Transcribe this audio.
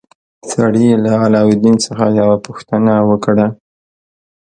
سړي له علاوالدین څخه یوه پوښتنه وکړه.